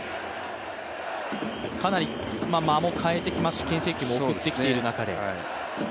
かなり間も変えてきますしけん制球も送ってきている中で。